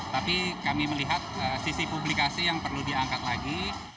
tapi kami melihat sisi publikasi yang perlu diangkat lagi